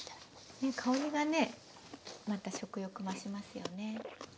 香りがねまた食欲増しますよね。